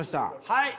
はい。